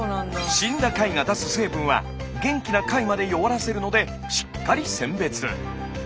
死んだ貝が出す成分は元気な貝まで弱らせるのでしっかり選別。